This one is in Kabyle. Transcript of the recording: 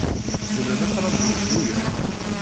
Tzemrem ad tṛajum cwiya?